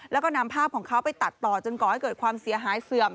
แล้วก็นำภาพของเขาไปตัดต่อจนก่อให้เกิดความเสียหายเสื่อม